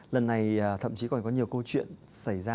lần này thậm chí còn có nhiều câu chuyện xảy ra